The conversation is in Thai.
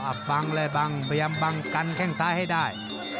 บังเลยบังพยายามบังกันแข้งซ้ายให้ได้